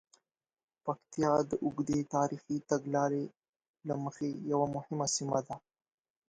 پکتیا د اوږدې تاریخي تګلارې له مخې یوه مهمه سیمه ده.